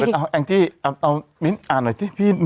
เอาแองจี้เอามิ้นอ่านหน่อยสิพี่